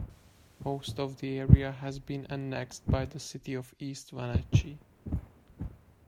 Most of the area has been annexed by the city of East Wenatchee.